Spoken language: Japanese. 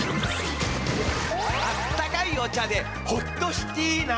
あったかいお茶でホットしティーな。